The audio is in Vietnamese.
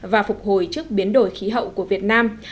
và phục hồi trước biến đổi khí hậu của việt nam